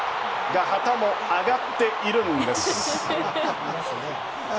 が、旗も上がっているんです。